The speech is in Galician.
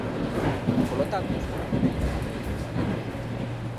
Polo tanto, señor Lobeiras, continuaremos.